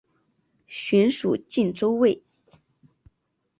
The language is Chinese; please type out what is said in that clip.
寻属靖州卫。